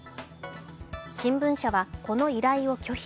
新聞社は、この依頼を拒否。